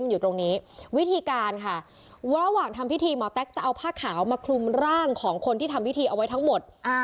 อยู่ตรงนี้วิธีการค่ะระหว่างทำพิธีหมอแต๊กจะเอาผ้าขาวมาคลุมร่างของคนที่ทำพิธีเอาไว้ทั้งหมด